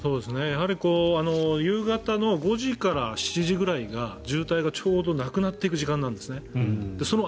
やはり夕方の５時から７時ぐらいが渋滞がちょうどなくなっていく時間なんですね。